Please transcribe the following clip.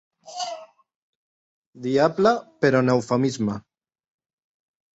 Diable, però en eufemisme.